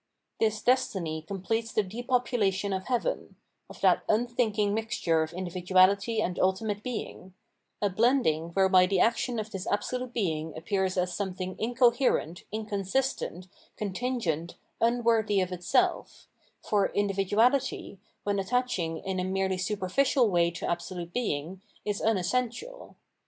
This destiny completes the depopulation of Heaven — of that unthinking mixture of individuality and ultimate Being — a blending whereby the action of this absolute Being appears as something incoherent, inconsistent, contingent, unworthy of itself ; for in dividuality, when attaching in a merely superficial way to absolute Being, is unessential.